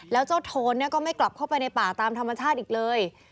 แล้วเจ้าโทนก็ไม่กลับเข้าไปในป่าตามธรรมชาติอีกเลย